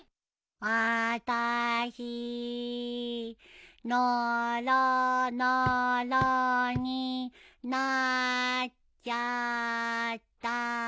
あたしノロノロになっちゃった。